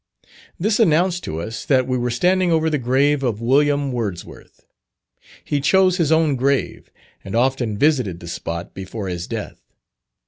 This announced to us that we were standing over the grave of William Wordsworth. He chose his own grave, and often visited the spot before his death.